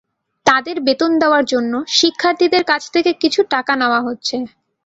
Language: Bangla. তাঁদের বেতন দেওয়ার জন্য শিক্ষার্থীদের কাছ থেকে কিছু টাকা নেওয়া হচ্ছে।